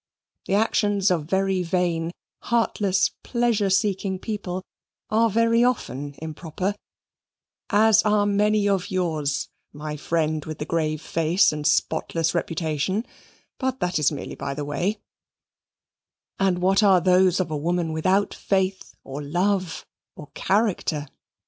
The actions of very vain, heartless, pleasure seeking people are very often improper (as are many of yours, my friend with the grave face and spotless reputation but that is merely by the way); and what are those of a woman without faith or love or character?